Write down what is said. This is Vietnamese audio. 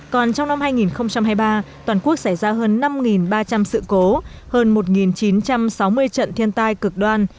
còn trong năm hai nghìn hai mươi ba toàn quốc xảy ra hơn năm ba trăm linh sự cố hơn một chín trăm sáu mươi trận thiên tai cực đoan